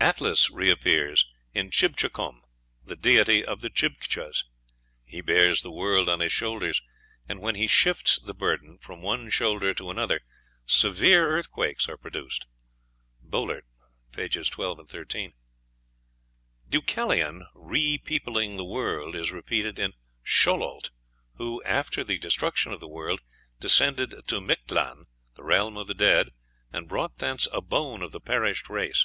Atlas reappears in Chibchacum, the deity of the Chibchas; he bears the world on his shoulders, and when be shifts the burden from one shoulder to another severe earthquakes are produced. (Bollært, pp. 12, 13.) Deucalion repeopling the world is repeated in Xololt, who, after the destruction of the world, descended to Mictlan, the realm of the dead, and brought thence a bone of the perished race.